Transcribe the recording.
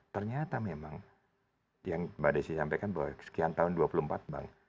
ternyata memang yang mbak desi sampaikan bahwa sekian tahun dua puluh empat bank